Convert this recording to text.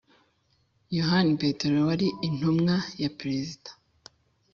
yohani petero wari intumwa y' perezida.